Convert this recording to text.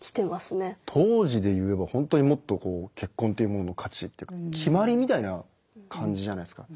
当時で言えばほんとにもっと結婚というものの価値というか決まりみたいな感じじゃないですか。